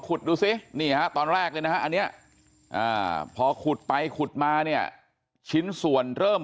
ดูสินี่ฮะตอนแรกเลยนะฮะอันนี้พอขุดไปขุดมาเนี่ยชิ้นส่วนเริ่ม